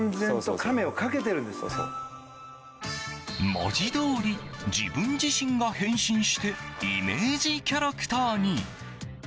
文字どおり自分自身が変身してイメージキャラクターに。